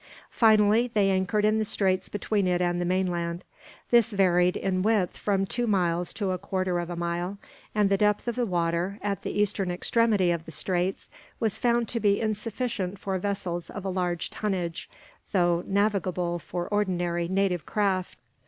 Finally they anchored in the straits between it and the mainland. This varied, in width, from two miles to a quarter of a mile; and the depth of water, at the eastern extremity of the straits, was found to be insufficient for vessels of a large tonnage, though navigable for ordinary native craft.